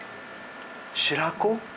白子？